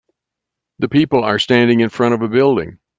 The people are standing in front of a building.